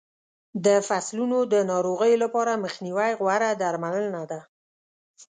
د فصلونو د ناروغیو لپاره مخنیوی غوره درملنه ده.